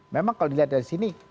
memang kalau dilihat dari sini